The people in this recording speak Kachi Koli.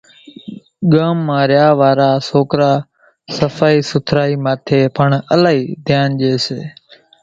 ڳام مان ريا وارا سوڪرا سڦائِي سُٿرائِي ماٿيَ پڻ الائِي ڌيانَ ڄيَ سي۔